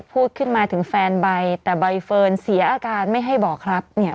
พูดขึ้นมาถึงแฟนใบแต่ใบเฟิร์นเสียอาการไม่ให้บอกครับเนี่ย